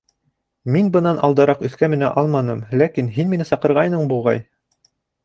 — Мин бынан алдараҡ өҫкә менә алманым, ләкин... һин мине саҡырғайның, буғай?